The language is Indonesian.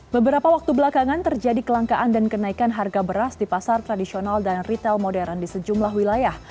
beberapa waktu belakangan terjadi kelangkaan dan kenaikan harga beras di pasar tradisional dan retail modern di sejumlah wilayah